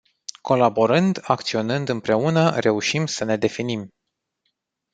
Colaborând, acționând împreună, reușim să ne definim.